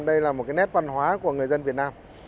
đây là một cái nét văn hóa của người dân việt nam